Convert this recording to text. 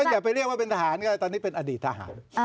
อย่าไปเรียกว่าเป็นทหารก็ตอนนี้เป็นอดีตทหาร